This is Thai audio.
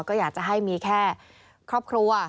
ก็อยากจะให้มีแค่ครอบครัว